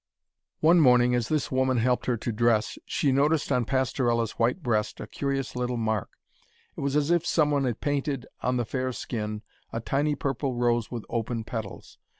One morning as this woman helped her to dress, she noticed on Pastorella's white breast a curious little mark. It was as if some one had painted on the fair skin a tiny purple rose with open petals.